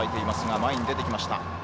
前に出てきました。